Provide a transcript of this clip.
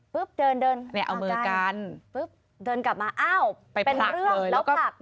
ปึ๊บเดินทางกันปึ๊บเดินกลับมาอ้าวเป็นเรื่องแล้วผลัก